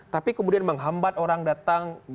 tapi kemudian menghambat orang datang